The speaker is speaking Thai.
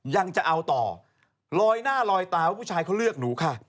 ยังจะเอาต่อลอยหน้าลอยตาว่าผู้ชายเขาเลือกหนูค่ะ